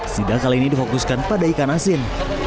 sidak kali ini difokuskan pada ikan asin